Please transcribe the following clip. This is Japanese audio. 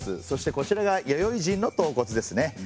そしてこちらが弥生人の頭骨ですね。